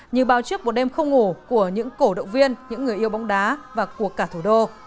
như bao trước một đêm không ngủ của những cổ động viên những người yêu bóng đá và cuộc cả thủ đô